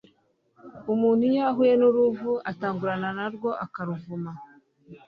Umuntu iyo ahuye n’uruvu, atanguranwa narwo akaruvuma,